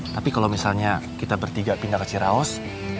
tapi kalau misalnya kita bertiga pindah ke ciraos